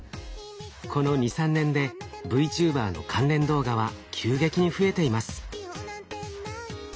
この２３年でＶＴｕｂｅｒの関連動画は急激に増えています。